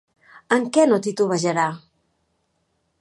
En què no titubejarà?